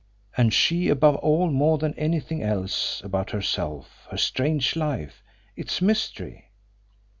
And she above all more than anything else about herself her strange life, its mystery?